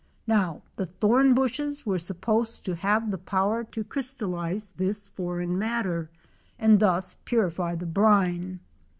Now the thorn bushes were supposed to have the power to crystallize this foreign matter and thus purify the brine.